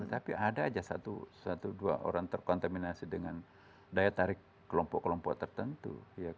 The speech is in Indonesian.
tapi ada saja satu dua orang terkontaminasi dengan daya tarik kelompok kelompok tertentu